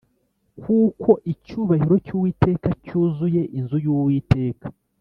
kuko “icyubahiro cy’uwiteka cyuzuye inzu y’uwiteka.”